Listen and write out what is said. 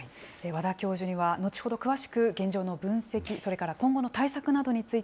和田教授には後ほど詳しく現状の分析、それから今後の対策